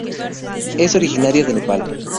Es originaria de Nepal.